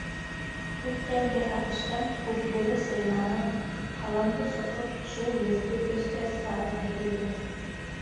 Күптәнге һағыштан Күкбүре сыйнаны, һаламды соҡоп, шул еҫте өҫкә сығарғыһы килде.